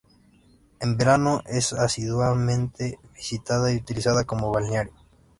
En verano es asiduamente visitada y utilizada como balneario.